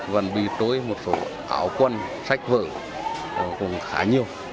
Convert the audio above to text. vẫn bị trôi một số áo quân sách vở cũng khá nhiều